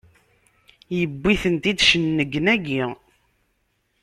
Yewwi-tent-id cennegnagi!